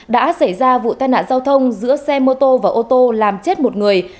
đã xảy ra vụ tai nạn giao thông giữa xe mô tô và ô tô làm chết một người